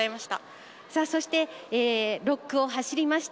そして６区を走りました